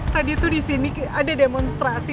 tadi tuh disini ada demonstrasi